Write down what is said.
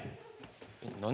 何？